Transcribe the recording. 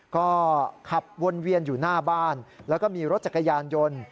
ก็ขับวนเวียนอยู่หน้าบ้านแล้วก็มีรถจักรยานยนต์